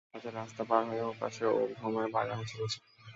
মাঝে মাঝে রাস্তা পার হয়ে ওপাশের ওল্ড হোমের বাগানে চলে যায়।